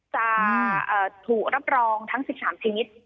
จะถูกรับรองทั้ง๑๓ชีวิต